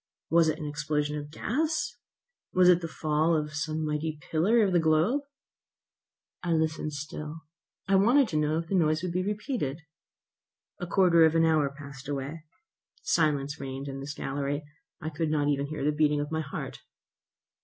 Was it an explosion of gas? Was it the fall of some mighty pillar of the globe? I listened still. I wanted to know if the noise would be repeated. A quarter of an hour passed away. Silence reigned in this gallery. I could not hear even the beating of my heart.